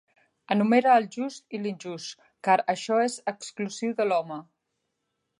Enumere el just i l'injust, car això és exclusiu de l'home.